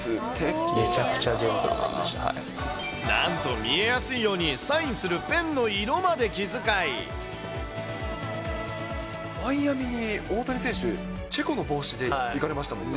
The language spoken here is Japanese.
めちゃくちゃジェントルマンでしなんと、見えやすいように、マイアミに大谷選手、チェコの帽子で行かれましたもんね。